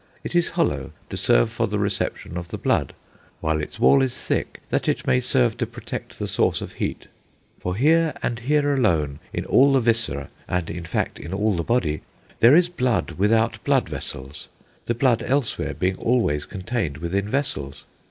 It is hollow, to serve for the reception of the blood; while its wall is thick, that it may serve to protect the source of heat. For here, and here alone, in all the viscera, and in fact in all the body, there is blood without blood vessels, the blood elsewhere being always contained within vessels.